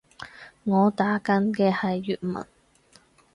我打緊嘅係粵文